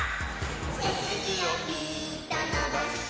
「せすじをピーンとのばして」